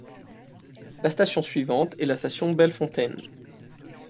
La station suivante est la station Bellefontaine.